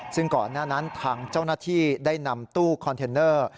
ซึ่งก่อนหน้านั้นทางเจ้าหน้าที่ได้นำตู้คอนเทนเนอร์